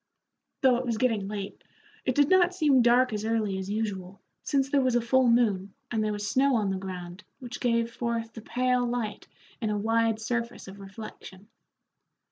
Though it was getting late, it did not seem dark as early as usual, since there was a full moon and there was snow on the ground which gave forth a pale light in a wide surface of reflection.